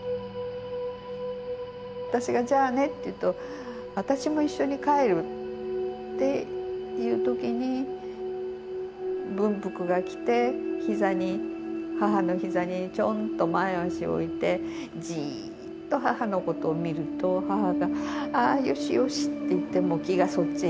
私が「じゃあね」って言うと「私も一緒に帰る」って言う時に文福が来て母の膝にちょんと前足を置いてじっと母のことを見ると母が「あよしよし」って言ってもう気がそっちへ行っちゃって。